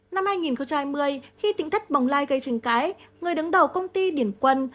năm hai nghìn hai mươi khi tỉnh thất bồng lai gây tranh cãi người đứng đầu công ty điển quân